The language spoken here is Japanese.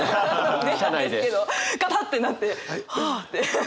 ベタですけどガタッてなって「ああ」って。